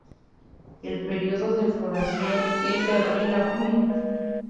El periodo de floración es de abril a junio.